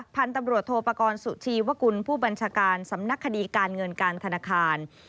พันธุ์ตำรวจโทปกรณ์สุชีวกุลผู้บัญชาการสำนักคดีการเงินการธนาคาร